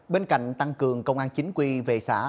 bên cạnh tăng cường công an chính quy về xã